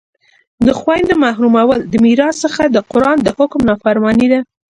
د خویندو محرومول د میراث څخه د قرآن د حکم نافرماني ده